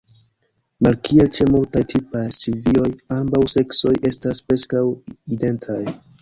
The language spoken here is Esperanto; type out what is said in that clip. Malkiel ĉe multaj tipaj silvioj, ambaŭ seksoj estas preskaŭ identaj.